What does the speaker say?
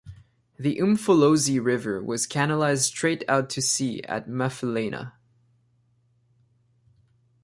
The Umfolozi River was canalized straight out to sea at Maphelana.